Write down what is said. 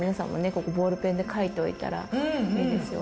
ここボールペンで書いといたらいいんですよ